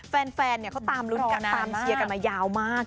แฟนเขาตามลุ้นกันตามเชียร์กันมายาวมาก